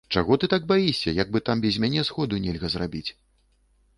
Чаго ты гэтак баішся, як бы там без мяне сходу нельга зрабіць!